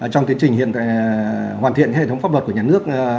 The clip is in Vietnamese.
trong tiến trình hoàn thiện hệ thống pháp luật của nhà nước